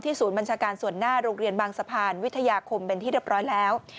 ศูนย์บัญชาการส่วนหน้าโรงเรียนบางสะพานวิทยาคมเป็นที่เรียบร้อยแล้ว